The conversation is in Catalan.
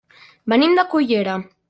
Venim de Cullera.